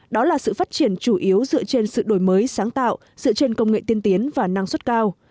đó là sự phát triển chủ yếu dựa trên sự đổi mới sáng tạo dựa trên công nghệ tiên tiến và năng suất cao